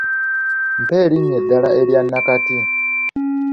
Mpa erinnya eddala erya nakati.